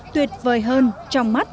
tuyệt vời hơn trong mắt